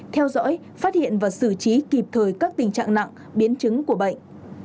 theo dõi phát hiện và xử trí kịp thời các tình trạng nặng biến chứng của bệnh